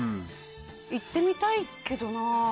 行ってみたいけどな。